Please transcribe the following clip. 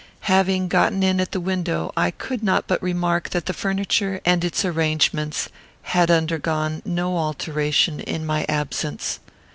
Having gotten in at the window, I could not but remark that the furniture and its arrangements had undergone no alteration in my absence.